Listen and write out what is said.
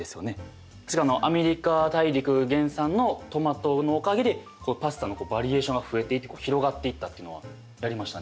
アメリカ大陸原産のトマトのおかげでパスタのバリエーションが増えていって広がっていったっていうのはやりましたね。